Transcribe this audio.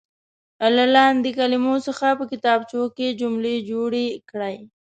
له لاندې کلمو څخه په کتابچو کې جملې جوړې کړئ.